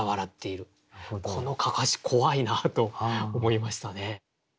この案山子怖いなと思いましたね。